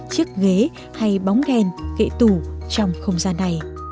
chiếc ghế hay bóng đèn kệ tủ trong không gian này